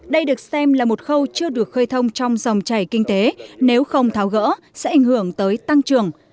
đây được xem là một khâu chưa được khơi thông trong dòng chảy kinh tế nếu không tháo gỡ sẽ ảnh hưởng tới tăng trưởng